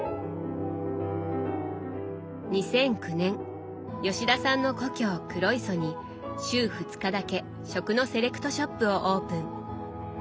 ２００９年吉田さんの故郷黒磯に週２日だけ食のセレクトショップをオープン。